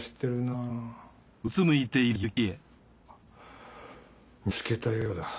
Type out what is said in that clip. あぁ見つけたようだ。